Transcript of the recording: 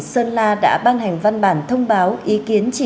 nên chủ tịch hồ chí minh đã phát hành một văn bản và dẫn đuổi